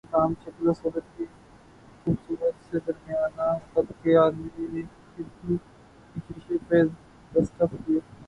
ایک عام شکل و صورت کے خوبصورت سے درمیانہ قد کے آدمی نے کھڑکی کے شیشے پر دستک دی۔